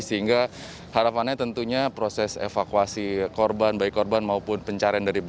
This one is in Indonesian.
sehingga harapannya tentunya proses evakuasi korban baik korban maupun pencarian dari bp